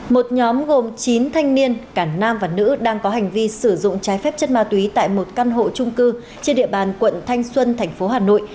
một nhóm gồm chín thanh niên cả nam và nữ đang có hành vi sử dụng trái phép chất ma túy tại một căn hộ trung cư trên địa bàn quận thanh xuân thành phố hà nội